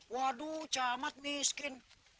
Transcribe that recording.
waduh camat miskin